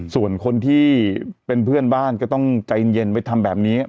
ส่วนคนที่เป็นเพื่อนบ้านก็ต้องใจเย็นไปทำแบบนี้